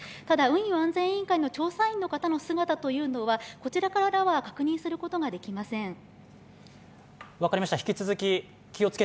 ただ、運輸安全委員会の調査員の方の姿というのはこちらからは確認することができません。